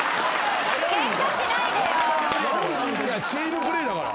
チームプレーだから。